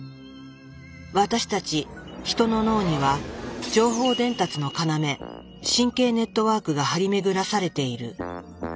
私たちヒトの脳には情報伝達の要神経ネットワークが張り巡らされている。